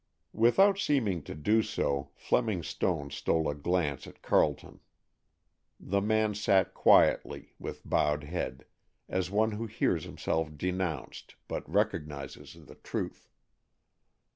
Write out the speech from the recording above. Without seeming to do so, Fleming Stone stole a glance at Carleton. The man sat quietly, with bowed head, as one who hears himself denounced, but recognizes the truth.